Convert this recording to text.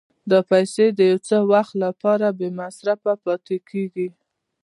دا پیسې د یو څه وخت لپاره بې مصرفه پاتې کېږي